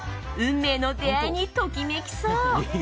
運命の出会いにときめきそう。